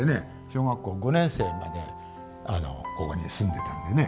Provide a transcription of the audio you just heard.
小学校５年生までここに住んでたんでね。